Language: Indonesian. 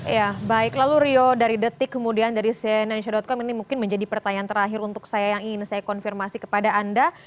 ya baik lalu rio dari detik kemudian dari cnn indonesia com ini mungkin menjadi pertanyaan terakhir untuk saya yang ingin saya konfirmasi kepada anda